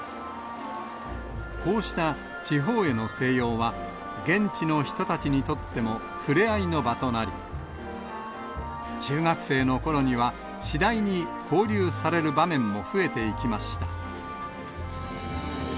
こうした地方への静養は、現地の人たちにとっても触れ合いの場となり、中学生のころには、次第に交流される場面も増えていきました。